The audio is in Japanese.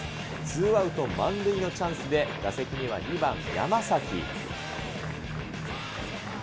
ツーアウト満塁のチャンスで、打席には２番山崎。